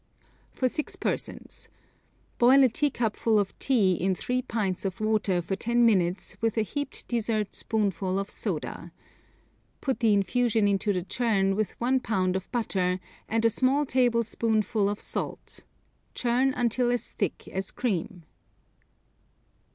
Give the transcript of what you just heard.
'For six persons. Boil a teacupful of tea in three pints of water for ten minutes with a heaped dessert spoonful of soda. Put the infusion into the chum with one pound of butter and a small tablespoonful of salt. Churn until as thick as cream.'